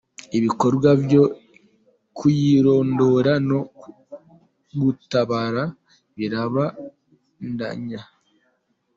Ibikogwa vyo kuyirondera no gutabara birabandanya.